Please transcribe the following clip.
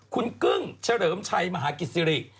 คุณกึ้งเฉลิมชัยมหากิจสิริ